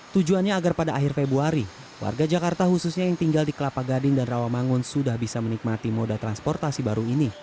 tujuannya agar pada akhir februari warga jakarta khususnya yang tinggal di kelapa gading dan rawamangun sudah bisa menikmati moda transportasi baru ini